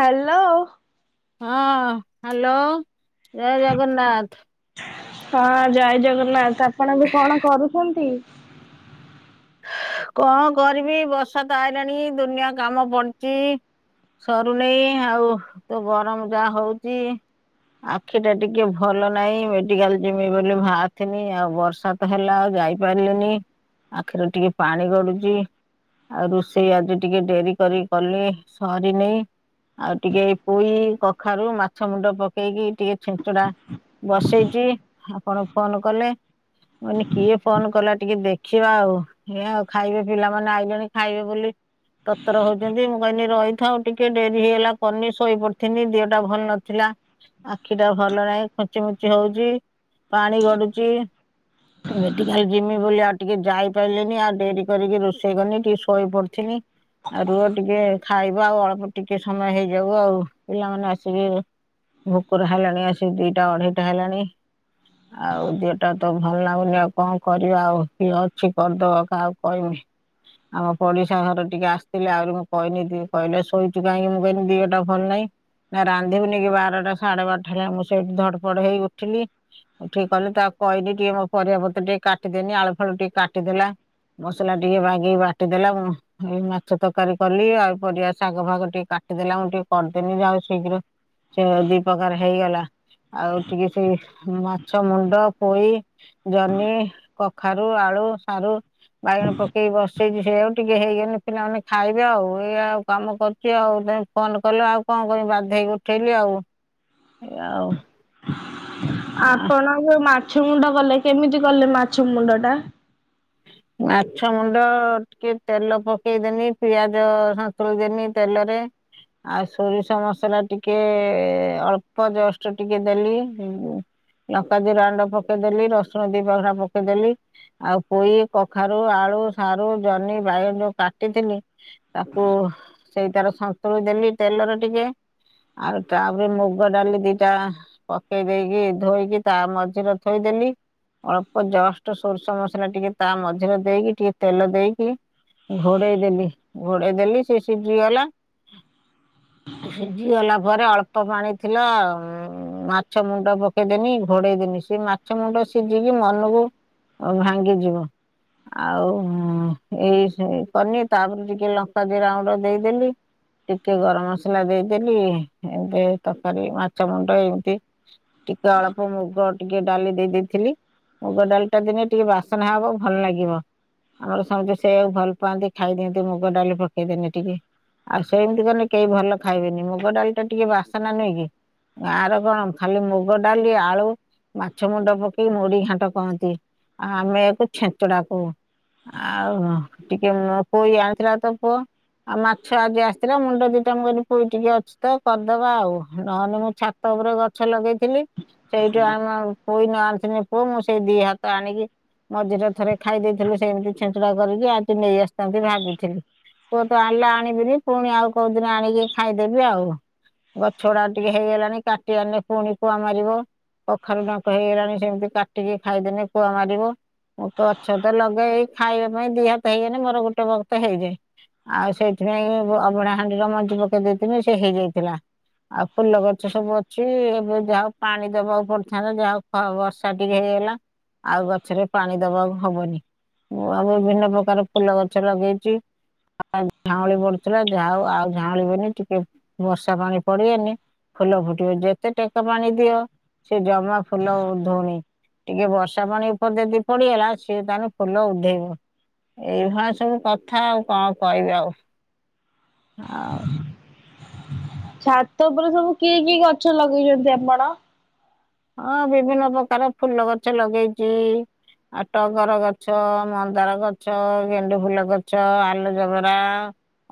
Hello. ହଁ hello ଜୟ ଜଗନ୍ନାଥ। ହଁ ଜୟ ଜଗନ୍ନାଥ। ଆପଣ ବି କଣ କରୁଛନ୍ତି? କଣ କରିବି ବର୍ଷା ତ ଆଇଲାଣି ଦୁନିଆ କାମ ପଡିଚି- ସରୁ ନେଇଁ, ଆଉ ତ ଗରମ ଯାହା ହଉଚି। ଆଖି ଟା ଟିକେ ଭଲ ନାହିଁ ମେଡିକାଲ ଯମି ବୋଲି ଭହାରିଥିନି। ଆଉ ବର୍ଷା ହେଲା ଆଉ ଯାଇପାରିଲିନି। ଆଖିରୁ ଟିକେ ପାଣି ଗଡୁଚି। ଆଉ ରୋଷେଇ ଆଜି ଟିକେ ଡେରି କରିିକି କଲେ ସରିନି। ଆଉ ଟିକେ ପୋଇ କଖାରୁ ମାଛ ମୁଣ୍ଡ ପକେଇକି ଟିକେ ଛିଞ୍ଚିଡା ବସେଇଚି ଆପଣ ଫୋନ କଲେ ମୁଁ କଇନି କିଏ ଫୋନ କଲା ଟିକେ ଦେଖିବା ଆଉ। ଏଇଆ ଆଉ ଖାଇବେ ପିଲାମାନେ ଆଇଲେଣି ଖାଇବେ ବୋଲି ତରତର ହଉଛନ୍ତି, ମୁଁ କହନି ରହିଥାଉ ଟିକେ ଡେରି ହେଇଗଲା କନି ଶୋଇପଡିଥିନି ଦିହଟା ଭଲ ନଥିଲା। ଆଖି ଟା ଭଲ ନାହିଁ ଖୁଞ୍ଚି ମୁଞ୍ଚି ହଉଛି ପାଣି ଗଡୁଚି ମେଡିକାଲ ଯିମି ବୋଲି ଆଉ ଟିକେ ଯାଇ ପାଇଲିନି ଆଉ ଡେରି କରିକି ରୋଷେଇ କନି ଟିକେ ଶୋଇ ପଡିଥିନି। ଆ ରୁହ ଟିକେ ଖାଇବ ଆଉ ଅଳ୍ପ ଟିକେ ସମୟ ହେଇଯାଉ ଆଉ ପିଲାମାନେ ଆସିବେ ଭୁକୁରା ହେଲାଣି ଆସି ଦିଇଟା ଅଢେଇଟା ହେଲାଣି। ଆଉ ଦିହ ଟା ତ ଭଲ ନାଗୁନି ଆଉ କଣ କରିବା ଆଉ ଦିହ ଛି କରିଦବ କାହାକୁ କହିମି? ଆମ ପଡିଶା ଘର ଟିକେ ଆସିଥିଲେ ଆହୁରି ମୁଁ କହିନି ଦି କହିଲେ ଶୋଇଛିୁ କାହିଁକି ମୁଁ କହିନି ଦିହଟା ଭଲ ନାହିଁ। ନା ରାନ୍ଧିବୁନି କି ବାରଟା ସାଢେ ବାରଟା ହେଲାଣି ମୁଁ ସେଇଠୁ ଧଡପଡ ହେଇ ଉଠିଲି ଉଠିକି କିହିଲି ତାକୁ କହିଲି ଟିକେ ମୋ ପରିବା ପତ୍ର ଟିକେ କାଟିଦେନି ଆଳୁ ଫାଳୁ ଟିକେ କାଟିଦେଲା ମସଲା ଟିକେ ବାଗେଇକି ବାଟିଦେଲା ମୁଁ ଏଇ ମାଛ ତରକାରୀ କଲି ଆଉ ପରିବା ଶାଗ ଫାଗ ଟିକେ କାଟିଦେଲା ମୁଁ ଟିକେ କରିଦେନି ଯା ହଉ ଶୀଘ୍ର ସେ ଦି ପ୍ରକାର ହେଇଗଲା ଆଉ ଟିକେ ସେଇ ମାଛ ମୁଣ୍ଡ ପୋଇ ଜହ୍ନି, କଖାରୁ, ଆଳୁ, ସାରୁ ବାଇଗଣ ପକେଇକି ବସେଇଛି ସେଇଆକୁ ଟିକେ ହେଇଗନେ ପିଲାମାନେ ଖାଇବେ ଆଉ ଏଇ ଆଉ କାମ କରୁ ଚି ଆଉ ତମେ ଫୋନ୍ କଲ ଆଉ କଣ କରିମି ବାଧ୍ୟ ହେଇକି ଉଠେଇଲି ଆଉ, ଏଇଆ ଆଉ। ଆପଣ ଯୋଉ ମାଛ ମୁଣ୍ଡ କଲେ, କେମିତି କଲେ ମାଛ ମୁଣ୍ଡ ଟା? ମାଛ ମୁଣ୍ଡ ଟିକେ ତେଲ ପକେଇଦେନି ପିଆଜ ସନ୍ତୁଳି ଦେନି ତେଲରେ ଆଉ ସୋରିଷ ମସଲା ଟିକେ ଅଳ୍ପ ଜଷ୍ଟ ଟିକେ ଦେଲି ଉଁ ଲଙ୍କା ଜିରା ଗୁଣ୍ଡ ପକେଇଦେଲି ରସୁଣ ଦି ପାଖୁଡା ପକେଇଦେଲି ଆଉ ପୋଇ, କଖାରୁ, ଆଳୁ, ସାରୁ, ଜହ୍ନି, ବାଇଗଣ ଯୋଉ କାଟିଥିଲି ତାକୁ ସେଇ ତାରେ ସନ୍ତୁଳି ଦେଲି ତେଲରେ ଟିକେ ଆଉ ତାପରେ ମୁଗ ଡାଲି ଦିଇଟା ପକେଇ ଦେଇକି ଧୋଇକି ତା ମଝିରେ ଥୋଇଦେଲି ଅଳ୍ପ ଜଷ୍ଟ ସୋରିଷ ମସ ଲା ଟିକେ ତା ମଝିରେ ଦେଇକି ଟିକେ ତେଲ ଦେଇକି ଘୋଡେଇ ଦେଲି ଘୋଡେଇ ଦେଲି ସେ ସିଝି ଗଲା। [inaudible] ସିଝି ଗଲା ପରେ ଅଳ୍ପ ପାଣି ଥିଲା ଉଁ ମାଛ ମୁଣ୍ଡ ପକେଇଦେନି ଘୋଡେଇଦେନି ସେ ମା ଛ ମୁଣ୍ଡ ସିଜିକି ମନକୁ ଉଁ ଭାଙ୍ଗି ଯିବ। ଆଉ ଉଁ ଏଇସେ କନି ତାପରେ ଟିକେ ଲଙ୍କା ଜିରା ଗୁଣ୍ଡ ଦେଇଦେଲି। ଟିକେ ଗରମ ମସଲା ଦେଇଦେଲି ଏବେ ତରକାରୀ ମାଛ ମୁଣ୍ଡ ଏମିତି ଟିକେ ଅଳ୍ପ ମୁଗ ଟିକେ ଡାଲି ଦେଇ ଦେଇ ଥିଲି ମୁଗ ଡାଲି ଟା ଦେନେ ଟିକେ ବାସ୍ ନା ହବ ଭଲ ଲାଗିବ। ଆମର ସମସ୍ତେ ସେଇଆକୁ ଭଲ ପାଆନ୍ତି ଖାଇଦିଅନ୍ତି ମୁଗ ଡାଲି ପକେଇଦେନେ ଟିକେ। ଆଉ ସେମିତି କନେ କେହି ଭଲ ଖାଇବେନି, ମୁଗ ଡାଲି ଟା ଟିକେ ବାସନା ନୁହେଁ କି? ଗାଁ ରେ କଣ ଖାଲି ମୁଗ ଡାଲି, ଆଳୁ, ମାଛ ମୁଣ୍ଡ ପକେଇକି ମୁଢି ଘାଣ୍ଟ କହନ୍ତି। ଆଉ ଆମେ ୟାକୁ ଛେଞ୍ଚଡା କହୁ ଆଉ ଟିକେ ଉଁ ପୋଇ ଆଣିଥିଲା ତ ପୁଅ ଆଉ ମାଛ ଆଜି ଆସିଥିଲା ମୁଣ୍ଡ ଦିଇଟା ମୁଁ କହିଲି ପୋଇ ଟିକେ ଅଛି ତ କରିଦବା ଆଉ ନହନେ ମୁଁ ଛା ତ ଉପରେ ଗଛ ଲଗେଇଥିଲି ସେଇଠୁ ଆମ ପୋଇ ନ ଆଣିଥିନେ ପୁଅ ମୁଁ ସେଇ ଦି ହାତ ଆଣିକି ମଝିରେ ଥରେ ଖାଇ ଦେଇଥିଲୁ ସେମିତି ଛେଞ୍ଚୁଡା କରିକି ଆଜି ନେଇ ଆସିଥାନ୍ତି ଭାବିଥିଲି। ପୁଅ ତ ଆଣିଲେ ଆଣିବିନି ପୁଣି ଆଉ କୋଉଦିନ ଆଣିକି ଖାଇଦେବି ଆଉ। ଗଛଗୁଡାକ ଟିକେ ହେଇଗଲାଣି କାଟିବାଆନିନେ ପୁଣି କୁଆ ମାରିବ। କଖାରୁ ଡଙ୍କ ହେଇଗଲାଣି ସେମିତି କାଟିକି ଖାଇଦେନେ କୁଆ ମାରିବ। ମୁଁ ତ ହଛ ତ ଲଗେଇ ଖାଇବା ପାଇଁ ଦିହାତ ହେଇଗଲେ ମୋର ଗୋଟେ ବକ୍ତ ହେଇଯାଏ। ଆଉ ସେଇଥିପାଇଁ ଅବଡା ହାଣ୍ଡିରେ ମଞ୍ଜି ପକେଇ ଦେଇଥିନି ସେ ହେଇଯାଇଥିଲା। ଆଉ ଫୁଲ ଗଛ ସବୁ ଅଛି ଏବେ ଯାହଉ ପାଣି ଦବାକୁ ପଡିଥାନ୍ତା ଯାହଉ। ହଊ ବର୍ଷା ଟିକେ ହେଇଗଲା ଆଉ ଗଛରେ। ପାଣି ଦବାକୁ ହବନି ମୁଁ ବିଭିନ୍ନ ପ୍ରକାର ଫୁଲ ଗଛ ଲଗେଇଛି। ଝାଉଁଳି ପଡୁଥିଲା ଯା ହଉ ଆଉ ଝାଉଁଳିିବନି ଟିକେ ବର୍ଷା ପାଣି ପଡିଗନେ। ଫୁଲ ଫୁଟିବ, ଯେତେ ଟେକା ପାଣି ଦିଅ ସେ ଜମା ଫୁଲ ଉଧଉନି। ଟିକେ ବର୍ଷା ପାଣି ଉପରେ ଯଦି ପଡିଗଲା ସିଏ ତାହେଲେ ଫୁଲ ଉଧେଇବ। ଏଇଭଳିଆ ସବୁ କଥା ଆଉ କଣ କହିବି ଆଉ ଆଉ। ଛାତ ଉପରେ ସବୁ କି କି ଗଛ ଲଗେଇଛନ୍ତି ଆପଣ। ହଁ ବିଭିନ୍ନ ପ୍ରକାର ଫୁଲ ଗଛ ଲଗେଇଚି। ଆଉ ଟଗର ଗଛ, ମନ୍ଦାର ଗଛ, ଗେଣ୍ଡୁ ଫୁଲ ଗଛ, ଆଲୁଜେବରା।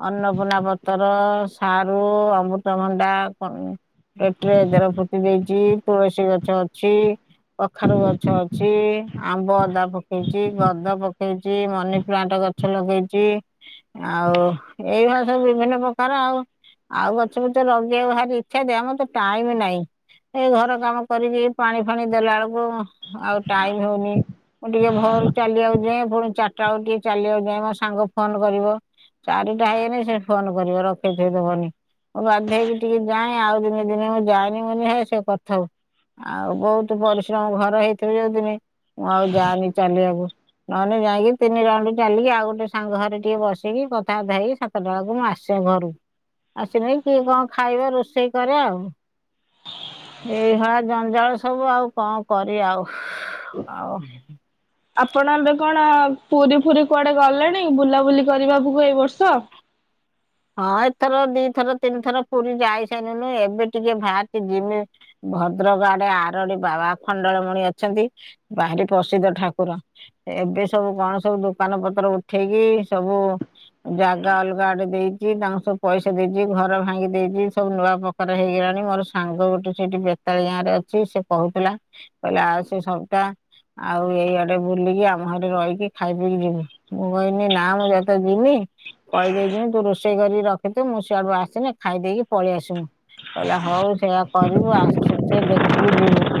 ଅନ୍ନପୂର୍ଣା ପତର, ସାରୁ, ଅମୃତମଣ୍ଡା କଣ। ପେଟିରେ ଏଥର ପୁତି ଦେଇଚି ତୁଳସୀ ଗଛ ଅଛି। କଖାରୁ ଗଛ ଅଛି, ଆମ୍ବ ଅଦା ପକେଇଚି, ଗଦ ପକେଇଚି, ମନି ପ୍ଲାଣ୍ଟେ ଗଛ। ଗଛ ଲଗେଇଚି ଆଉ ଏଇଗୁଡା ସବୁ ବିଭିନ୍ନ ପ୍ରକାର ଆଉ। ଆଉ ଗଛ ଗୁଛା ଲଗେଇକୁ ଭାରି ଇଚ୍ଛା ଯେ ଆଉ ମତେ ଟାଇମ୍ ନାଇଁ ଏଇ ଘର କାମ। କରିବି ପାଣି ଫାଣି ଦେଲା ବଳକୁ ଆଉ ଟାଇମ୍ ହଉନି। ମୁଁ ଟିକେ ଭୋରୁ ଚାଲିିବାକୁ ଯାଏଁ ପୁଣି ଚାରିଟାବେଳକୁ ଟିକେ ଚାଲିିବାକୁ ଯାଏ ମୋ ସାଙ୍ଗ ଫୋନ୍ କରିବ। ଚାରିଟା ହେଇଗଲେ ସେ ଫୋନ୍ କରିବ ରଖେଇ ଥୁଏଇ ଦବନି। ମୁଁ ବାଧ୍ୟ ହେଇକି ଟିକେ ଯାଏଁ ଆଉ ଦିନେ ଦିନେ ମୁଁ ଯାଏନି ମୁଁ କହେ ହେ ସେ କରୁଥାଉ। ଆଉ ବହୁତୁ ପରିଶ୍ରମ ଘରେ ହେଇଥିବ ଯଉଦିନି ମୁଁ ଆଉ ଯାଏନି ଚାଲିବାକୁ। ନହେଲେ ଯାଇକି ତିନି ରାଉଣ୍ଡ ଚାଲିକି ଆଉ ଗୋଟେ ସାଙ୍ଗ ଘରେ ଟିକେ ବସିକି କଥାବାର୍ତା ହେଇକି ସ। ଛଟା ବେଳକୁ ମୁଁ ଆସେ ଘରକୁ କିଏ କଣ ଖାଇବା ରୋଷେଇ କରେ ଆଉ। ଏଇଭଳିଆ ଜଞ୍ଜାଳ ସବୁ ଆଉ କଣ କରିବା ଆଉ ଆଉ। ଆପଣ ଏବେ କଣ ପୁରୀ ଫୁୁରୀ କୁଆଡେ ଗଲେଣି ବୁଲାବୁଲି କରିବାକୁ ଏଇ ବର୍ଷ। ହଁ ଏଥର ଦିଥର ତିନିଥର ପୁରୀ ଯାଇସାରିଲୁଣି ଏବେ ଟିକେ ବାହାରିଚି ଯିମି। ଭଦ୍ରକ ଆଡେ ଆରଡି ବାବା ଆଖଣ୍ଡଳମଣି ଅଛନ୍ତି ଭାରି ପ୍ରସିଦ୍ଧ ଠାକୁର। ଏବେ ସବୁ କଣ ସବୁ ଦୋକାନ ପତ୍ର ଉଠେଇକି ସବୁ। ଜାଗା ଅଲଗା ଆଡେ ଦେଇ। ତାଙ୍କୁ ସବୁ ପଇସା ଦେଇଚି ଘର ଭାଙ୍ଗି ଦେଇଚି ସବୁ ନୂଆ ପ୍ରକାର ହେଇଗଲାଣି ମୋର ସାଙ୍ଗ ଗୋଟେ ସେଇଠି ବ୍ୟ। ଗାଁ ରେ ଅଛି ସେ କହୁଥିଲା କହିଲା ଆଉ ସେ ସବୁଟୀ। ଆଉ ଏଇ ଆଡେ ବୁଲିକି ଆମ ଘରେ ରହିକି ଖାଇ ପି କି ଯିବୁ। ମୁଁ କହିଲି ନା ମୁଁ ଯତେ ଯିମି କହିଦେଇ ଯିମି ତୁ ରୋଷ ରୋଷେଇ କରିକି ରଖିଥିବୁ ମୁଁ ସିଆଡୁ ଆସିଲେ ଖାଇ ଦେଇକି ପଳେଇ ଆସିମୁ। କହିଲା ହଉ ସେଇଆ କରିବୁ ଆସଛୁ ଦେଖିକି ଯିବୁ।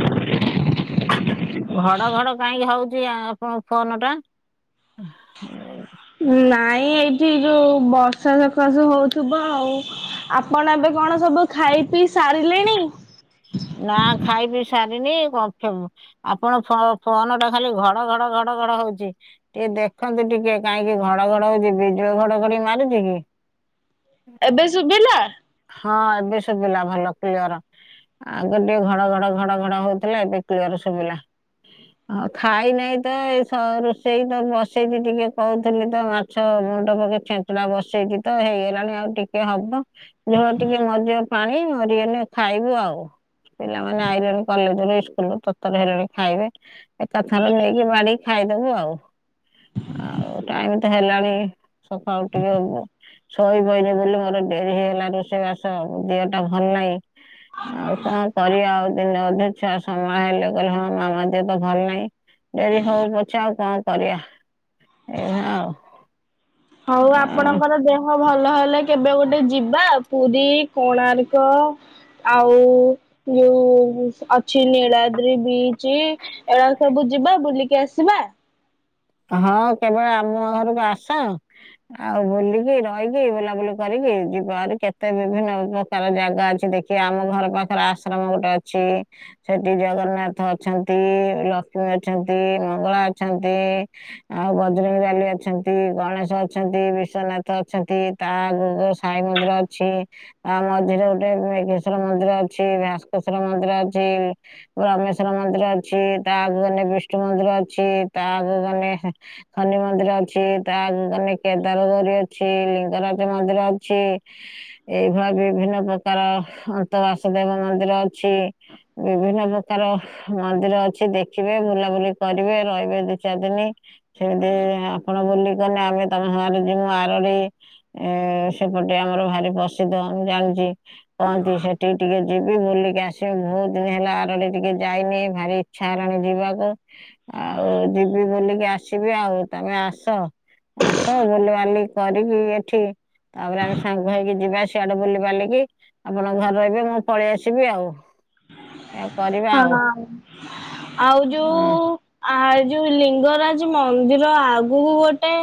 ଘଡ ଘଡ କାହିଁକି ହଉଚି ଆପଣଙ୍କ ଫୋନ୍ ଟା। [inaudible] ନାଇଁ ଏଇଠି ଯେଉଁ ବର୍ଷା ସକାସେ ହଉଥିବ ଆଉ ଆପଣ ଏବେ କଣ ସବୁ ଖାଇ ପିଇ ସାରିଲେଣି। ନା ଖାଇ ପି ସାରିନି କଥା। ଆପଣଙ୍କ ଫୋନ୍ ଟା ଖାଲି ଘଡ -ଘଡ- ଘଡ- ଘଡ ହଉଚି। ଟିକେ ଦେଖନ୍ତୁ ଟିକେ କାହିଁକି ଘଡ ଘଡ ହଉଚି ବିଜୁଳି ଘଡଘଡି ମାରୁଚି କି? ଏବେ ଶୁବିଲା? ହଁ ଏବେ ଶୁବିଲା ଭଲ କ୍ଲିଅର। ଆଗ ଟିକେ ଘଡ- ଘଡ- ଘଡ -ଘଡ ହଉଥିଲା ଏବେ କ୍ଲିଅର ଶୁବିଲା। ହଁ ଖାଇ ନାଇଁ ତ ଏଇ ରୋଷେଇ ତ ବସେଇଚି ଟିକେ କରୁଥିଲି ତ ମା ଛ ମୁଣ୍ଡ ପକେଇ ଛେଞ୍ଚଡା ବସେଇଚି ତ ହେଇଗଲାଣି ଆଉ ଟିକେ ହବ। ଝୋଳ ଟିକେ ମରିଯାଉ ପାଣି ମରିଗଲେ ଖାଇବୁ ଆଉ। ପିଲାମାନେ ଆଇଲେଣି କଲେଜ ରୁ ଇସ୍କୁଲ ରୁ ତର୍ତର ହେଲେଣି ଖାଇବେ। ଏକାଥରେ ନେଇକି ବାଢିକି ଖାଇଦବୁ ଆଉ। ଆଉ ଟାଇମି ତ ହେଲାଣି ସକାଳୁ ଟିକେ ଶୋଇ ପଇଲି ବୋଲି ମୋର ଡେରି ହେଇଗଲା ରୋଷେଇବାସ ଦେହ ଟା ଭଲ୍ ନାହିଁ ଆଉ କଣ କରିବା ଆଉ ଦିନେ ଅଧେ ଛୁଆ ସମାଳିଲେ କହିଲେ ହଁ ମାମା ଦେହ ତ ଭଲ ନାହିଁ। ଡେରି ହଉ ପଛେ ଆଉ କଣ କରିବା ଏଇଆ ଆଉ। ହଉ ଆଁ, ଆପଣଙ୍କର ଦେହ ଭଲ ହେଲେ କେବେ ଗୋଟେ ଯିବା ପୁରୀ କୋଣାର୍କ ଆଉ ଯୋଉ ଅଛି ନୀଳାଦ୍ରି ବିଚି ଏରାକ ସବୁ ଯିବା ବୁଲିକି ଆସିବା। ହଁ କେବେ ଆମ ଘରକୁ ଆସ ଆଉ ବୁଲିକି ରହିକି ବୁଲାବୁଲି କରିକି ଯିବ ଆ କେତେ ବିଭିନ୍ନ ଉପ ଚାଲ ଜାଗା ଅଛି ଦେଖିବା ଆମ ଘର ପାଖରେ ଆଶ୍ରମ ଗୋଟେ ଅଛି। ସେଠି ଜଗନ୍ନାଥ ଅଛନ୍ତି, ଲକ୍ଷ୍ମୀ ଅଛନ୍ତି, ମଙ୍ଗଳା ଅଛନ୍ତି। ଆଉ ବଜରଙ୍ଗ ବାଲି ଅଛନ୍ତି, ଗଣେଶ ଅଛନ୍ତି, ବିଶ୍ଵନାଥ ଅଛନ୍ତି। ତା ଆଗ କୁ ସାଇ ମନ୍ଦିର ଅଛି। ଆ ମଝିରେ ଗୋଟେ ମେଘେଶ୍ଵର ମନ୍ଦିର ଅଛି ଭାସ୍କେଶ୍ଵର ମନ୍ଦିର ଅଛି। ରାମେଶ୍ଵର ମନ୍ଦିର ଅଛି ତାଆଗ କୁ ଗଲେ ବିଷ୍ଣୁ ମନ୍ଦିର ଅଛି ତାଆଗ କୁ ଗନେ ଶନି ମନ୍ଦିର ଅଛି ତାଆଗକୁ ଗନେ କେଦାର ଗୌରୀ ଅଛି ଲିଙ୍ଗରାଜ ମନ୍ଦିର ଅଛି। ଏଇଭଳିଆ ବିଭିନ୍ନ ପ୍ରକାର ହ ଅନ୍ତ ବାସୁଦେବ ମନ୍ଦିର ଅଛି। ବିଭିନ୍ନ ପ୍ରକାର ହୁ ମନ୍ଦିର ଅଛି ଦେଖିବେ ବୁଲାବୁଲି କରିବେ ରହିବେ ଦି ଚାରି ସେମି ସେମିତି ଆପଣ ବୁଲିଗଲେ ଆମେ ତମ ସାରେ ଜି ମୁଁ ଆରଡି ଏ ସେପଟେ ଆମର ଭାରି ପସିଦ୍ଧ ମୁ ଜାଣିଛି କହନ୍ତି ସେ ଟିକେ ଟିକେ ଯିବି ବୁଲିକି ଆସିବି ବହୁତ ଦିନ ହେଲା ଆରଡି ଟିକେ ଯାଇନି ଭାରି ଇଚ୍ଛା ହେଲାଣି ଯିବାକୁ ଆଉ ଯିବି ବୁଲିକି ଆସିବି ଆଉ ତମେ ଆସ ଆସ ବୁଲିବାଲି କରିକି ଏଠି ତାପରେ ଆମେ ସାଙ୍ଗ ହେଇକି ଯିବା ସିଆଡେ ବୁଲି ବାଲିକି ଆପଣ ଘରେ ରହିବେ ମୁଁ ପଳେଇ ଆସିବି ଆଉ ଏୟା କରିବା ଆଉ। ହଁ ଆଉ ଯୋଉ ଆ ଯୋଉ ଲିଙ୍ଗରାଜ ମନ୍ଦିର ଆଗକୁ ଗୋଟେ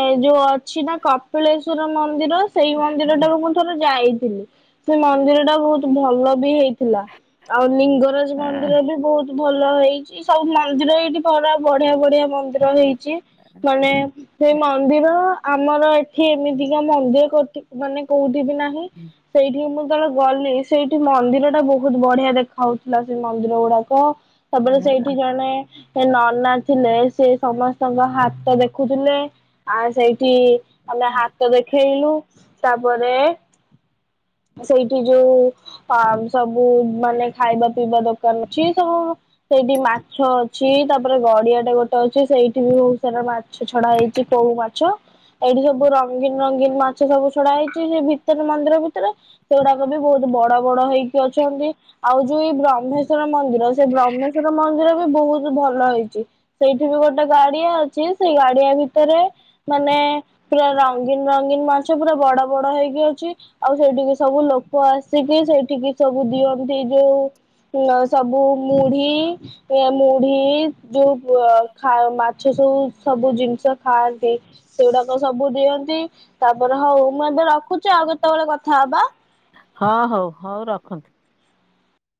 ଏ ଯୋଉ ଅଛି ନା କପିଳେଶ୍ଵର ମନ୍ଦିର ସେଇ ମନ୍ଦିରଟାକୁ ମୁଁ ଥରେ ଯାଇଥିଲି ସେ ମନ୍ଦିରଟା ବହୁତ ଭଲ ବି ହେଇଥିଲା। ଆଉ ଲିଙ୍ଗରାଜ ମନ୍ଦିର ବି ବହୁତ୍ ଭଲ ହେଇଛି ସବୁ ମନ୍ଦିର ଏଇଠି ପରା ବଢିଆ ବଢିଆ ମନ୍ଦିର ର ହେଇଛି ମାନେ ସେଇ ମନ୍ଦିର ଆମର ଏଠି ଏମିତିକା ମନ୍ଦିର ମାନେ କୋଉଠି ବି ନାହିଁ। ସେଇଠି ମୁଁ ତଳେ ଗଲି ସେଇଠି ମନ୍ଦିର ଟା ବହୁତ ବଢିଆ ଦେଖା ହଉଛି। ମନ୍ଦିର ଗୁଡାକ ତାପରେ ସେଇଠି ଜଣେ ସେ ନନା ଥିଲେ ସେ ସମସ୍ତଙ୍କ ହାତ ଦେଖୁଥିଲେ ଆ ସେଇଠି ଆମେ ହାତ ଦେଖେଇଲୁ ତାପରେ ସେଇଠି ଯୋଉ ଅ ସବୁ ମାନେ ଖାଇବା ପିଇବା ଦୋକାନ ଅଛି ସବୁ ସେଇଠି ମାଛ ଅଛି ତାପରେ ଗଡିଆଟେ ଗୋଟେ ଅଛି ସେଇଠି ବି ବହୁତ ସାରା ମା ଛ ଛଡା ହେଇଛି କଉ ମାଛ। ଏଇଠି ସବୁ ରଙ୍ଗୀନ୍ ରଙ୍ଗୀନ୍ ମାଛ ସବୁ ଛଡା ହେଇଛି ସେ ଭିତରେ ମନ୍ଦିର ଭିତରେ। ସେଗୁଡାକ ବି ବହୁତ ବଡ ବଡ ହେଇକି ଅଛନ୍ତି। ଆଉ ଯୋଉ ଏଇ ବ୍ରହ୍ମେଶ୍ୱର ମନ୍ଦିର ସେ ବ୍ରହ୍ମେଶ୍ଵର ମନ୍ଦିର ବି ବହୁତ ଭଲ ହେଇଛି। ସେଇଠି ବି ଗୋଟେ ଗାଡିଆ ଅଛି ସେଇ ଗାଡିଆ ଭିତରେ ମାନେ ପୁରା ରଙ୍ଗୀନ୍ ରଙ୍ଗୀନ୍ ମାଛ ପୁରା ବଡ ବଡ ହେଇକି ଅଛି। ଆଉ ସେଇଠିକି ସବୁ ଲୋକ ଆସିକି ସେଇଠିକି ସବୁ ଦିଅନ୍ତି ଯୋଉ ନ ସବୁ ମୁଢି ଏ ମୁଢି ଯୋଉ ଖା ମାଛ ସବୁ ସବୁ ଜିନିଷ ଖାଆନ୍ତି। ସେଉଡାକ ସବୁ ଦିଅନ୍ତି ତାପରେ ହଉ ମୁଁ ଏବେ ରଖୁଛି ଆଉ କେତେବେଳେ କଥା ହବା। ହଁ ହଉ ହଉ ରଖନ୍ତୁ।